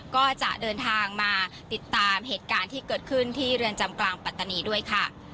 ก็จะเดินทางมาติดตามเหตุการณ์ที่เกิดขึ้นที่เรือนจำกลางปัตตานีด้วยค่ะ